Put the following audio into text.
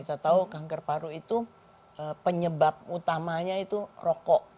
kita tahu kanker paru itu penyebab utamanya itu rokok